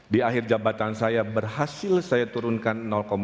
di akhir jabatan saya berhasil saya turunkan empat puluh empat